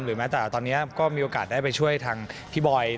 แม้แต่ตอนนี้ก็มีโอกาสได้ไปช่วยทางพี่บอย